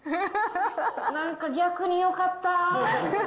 なんか逆によかった。